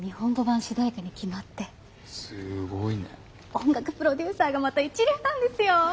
音楽プロデューサーがまた一流なんですよ。